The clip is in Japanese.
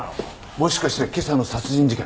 もしかして今朝の殺人事件？